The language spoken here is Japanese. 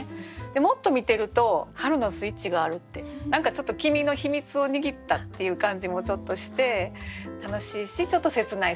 もっと見てると「春のスイッチがある」って何かちょっと君の秘密を握ったっていう感じもちょっとして楽しいしちょっと切ない。